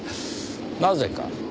なぜか？